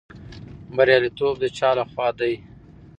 بریالیتوب د چا لخوا دی؟